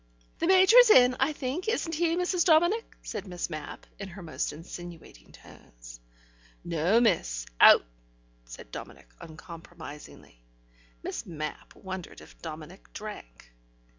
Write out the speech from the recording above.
"The Major is in, I think, isn't he, Mrs. Dominic?" said Miss Mapp, in her most insinuating tones. "No, miss; out," said Dominic uncompromisingly. (Miss Mapp wondered if Dominic drank.)